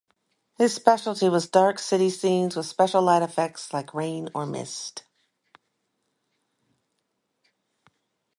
His specialty was dark city scenes with special light effects like rain or mist.